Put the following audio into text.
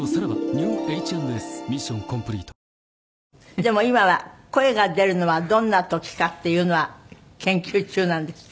でも今は声が出るのはどんな時かっていうのは研究中なんですって？